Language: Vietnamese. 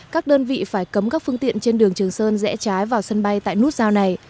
các đơn vị phải cấm các phương tiện trên đường trường sơn rẽ trái vào sân bay tại nút giao này